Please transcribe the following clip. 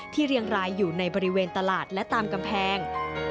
เรียงรายอยู่ในบริเวณตลาดและตามกำแพง